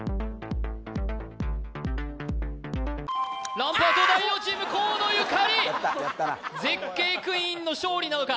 ランプは東大王チーム河野ゆかり絶景クイーンの勝利なのか？